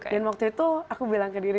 dan waktu itu aku bilang ke diriku